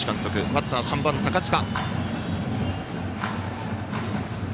バッター、３番の高塚。